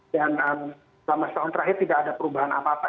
dan selama setahun terakhir tidak ada perubahan apa apa